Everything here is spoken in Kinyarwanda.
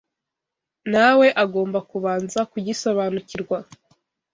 nawe agomba kubanza kugisobanukirwa